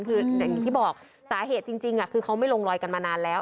คืออย่างที่บอกสาเหตุจริงคือเขาไม่ลงรอยกันมานานแล้ว